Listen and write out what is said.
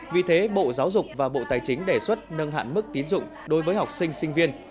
vì thế bộ giáo dục và bộ tài chính đề xuất nâng hạn mức tín dụng đối với học sinh sinh viên